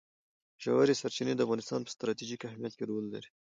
ژورې سرچینې د افغانستان په ستراتیژیک اهمیت کې رول لري.